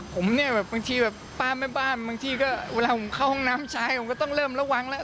ผมเนี่ยแบบบางทีแบบป้าแม่บ้านบางทีก็เวลาผมเข้าห้องน้ำชายผมก็ต้องเริ่มระวังแล้ว